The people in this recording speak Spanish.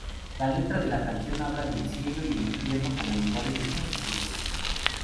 La letra de la canción habla del cielo y el infierno como lugares desconocidos.